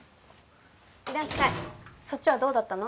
いらっしゃいそっちはどうだったの？